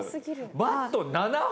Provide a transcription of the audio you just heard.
バット７本？